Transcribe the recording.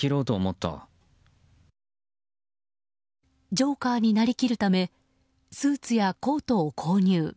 ジョーカーになりきるためスーツやコートを購入。